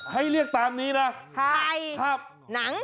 ให้เรียกตามนี้นะไข่หนัง